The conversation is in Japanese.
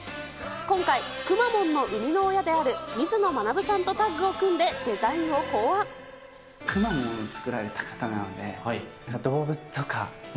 今回、くまモンの生みの親である水野学さんとタッグを組んで、くまモンを作られた方なので、動物とかの。